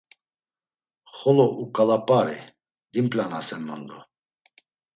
Xolo uǩalap̌ari, dimp̌lanasen mondo.